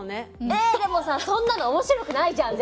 えでもさそんなの面白くないじゃん絶対。